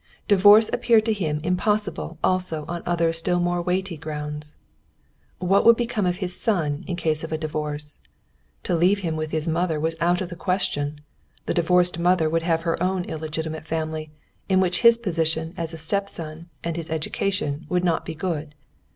Divorce appeared to him impossible also on other still more weighty grounds. What would become of his son in case of a divorce? To leave him with his mother was out of the question. The divorced mother would have her own illegitimate family, in which his position as a stepson and his education would not be good.